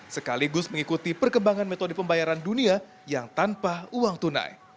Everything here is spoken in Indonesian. sekaligus mengikuti perkembangan metode pembayaran dunia yang tanpa uang tunai